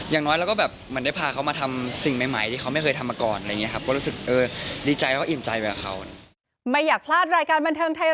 อย่างน้อยเราก็แบบมันได้พาเขามาทำสิ่งใหม่ที่เขาไม่เคยทำมาก่อน